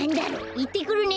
いってくるね。